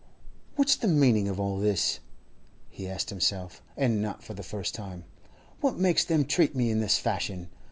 'What's the meaning of all this?' he asked himself, and not for the first time. 'What makes them treat me in this fashion?